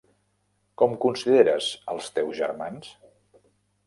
Com consideres els teus germans?